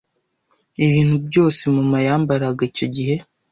ibintu byose mama yambaraga icyo gihe